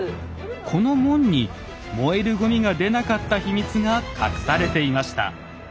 この門に燃えるごみが出なかった秘密が隠されていました。